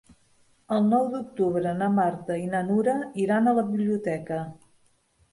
El nou d'octubre na Marta i na Nura iran a la biblioteca.